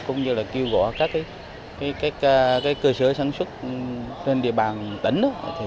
cũng như kêu gọi các cơ sở sản xuất trên địa bàn tỉnh